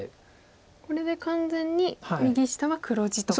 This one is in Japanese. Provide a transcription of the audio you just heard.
これで完全に右下は黒地と。